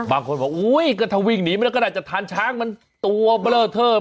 บางคนบอกอุ้ยก็ถ้าวิ่งหนีมันก็น่าจะทานช้างมันตัวเบลอเทิบ